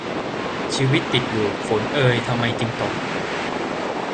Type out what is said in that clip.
ชีวิตติดลูป ฝนเอยทำไมจึงตก